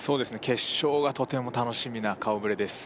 決勝がとても楽しみな顔ぶれです